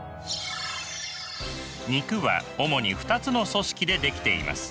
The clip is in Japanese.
肉は主に２つの組織で出来ています。